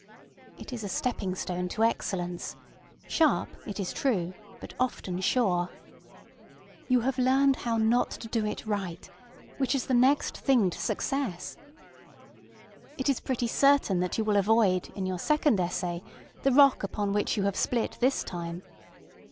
It is a stepping stone to excellenceŌĆösharp, it is true, but often sure. You have learned how not to do it right, which is the next thing to success. It is pretty certain that you will avoid, in your second essay, the rock upon which you have split this time.